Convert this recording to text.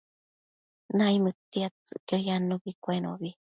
naimëdtiadtsëcquio yannubi cuenobi